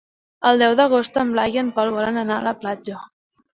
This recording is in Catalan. El deu d'agost en Blai i en Pol volen anar a la platja.